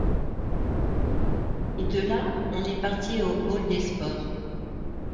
Et de là on est parti au Hall des sports.